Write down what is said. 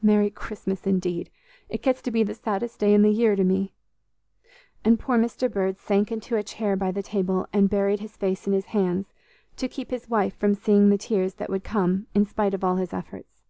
Merry Christmas, indeed; it gets to be the saddest day in the year to me!" and poor Mr. Bird sank into a chair by the table, and buried his face in his hands, to keep his wife from seeing the tears that would come in spite of all his efforts.